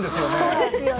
そうですよね。